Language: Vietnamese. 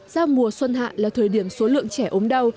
giao mùa xuân hạn là thời điểm số lượng trẻ ốm đau